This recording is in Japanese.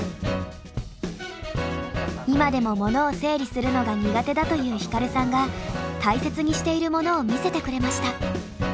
今でもモノを整理するのが苦手だというヒカルさんが大切にしているものを見せてくれました。